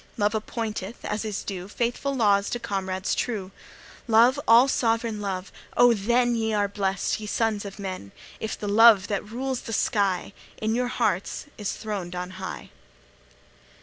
Love appointeth, as is due, Faithful laws to comrades true Love, all sovereign Love! oh, then, Ye are blest, ye sons of men, If the love that rules the sky In your hearts is throned on high!